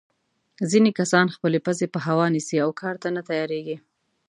ځینې کسان خپلې پزې په هوا نیسي او کار ته نه تیارېږي.